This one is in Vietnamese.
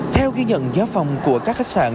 theo ghi nhận giáo phòng của các khách sạn